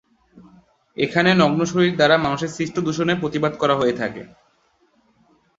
এখানে নগ্ন শরীর দ্বারা মানুষের সৃষ্ট দূষণের প্রতিবাদ করা হয়ে থাকে।